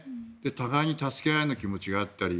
互いに助け合いの気持ちがあったり。